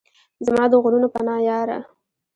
زما د غرونو پناه یاره!